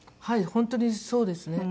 本当にそうですね。